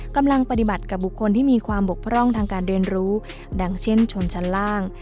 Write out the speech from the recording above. กำลังปฏิบัติกับบุคคลที่มีความบกพร่องทางการเรียนรู้ดังเช่นชนชั้นล่าง